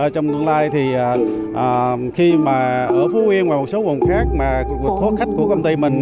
trong tương lai thì khi mà ở phú yên và một số vùng khác mà thoát khách của công ty mình